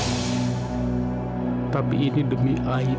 bapak hanya mau perbaiki akal bumi di kuching